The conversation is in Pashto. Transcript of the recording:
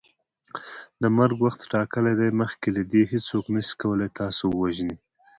د مرګ وخت ټاکلی دی مخکي له دې هیڅوک نسي کولی تاسو ووژني